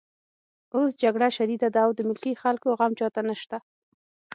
اوس جګړه شدیده ده او د ملکي خلکو غم چاته نشته